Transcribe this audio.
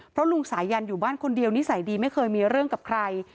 เพราะลุงสายันอยู่บ้านคนเดียวนิสัยดีไม่เคยมีเรื่องกับใคร